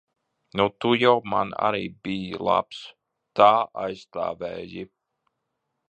Nu, tu jau man arī biji labs. Tā aizstāvēji.